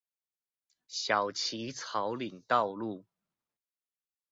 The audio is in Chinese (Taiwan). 小旗草嶺道路